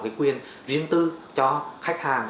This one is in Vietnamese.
cái quyền riêng tư cho khách hàng